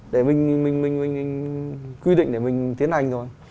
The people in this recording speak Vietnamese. để mình quy định để mình tiến hành thôi